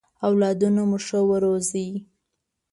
اولادونه مو ښه ورزوی!